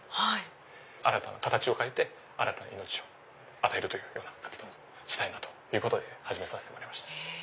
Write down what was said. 新たな形を変えて新たな命を与えるというような活動をしたいなということで始めさせていただきました。